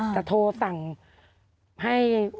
โทรสั่งให้